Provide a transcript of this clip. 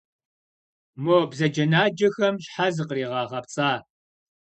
Мо бзаджэнаджэм щхьэ зыкъригъэгъэпцӏа?